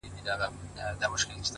سترگي لكه دوې ډېوې